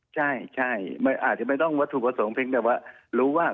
ใช่อาจจะไม่ต้องวัตถุประสงค์เพียงแต่ว่ารู้ว่า